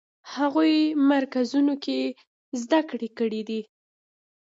هغو مرکزونو کې زده کړې کړې دي.